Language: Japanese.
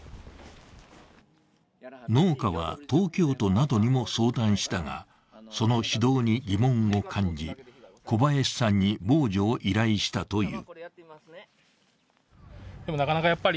農家は東京都などにも相談したが、その指導に疑問を感じ、小林さんに防除を依頼したという。